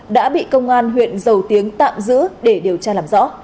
đã bị công an huyện giầu tiếng tạm giữ để điều tra làm do